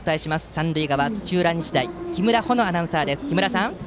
三塁側、土浦日大木村穂乃アナウンサーです。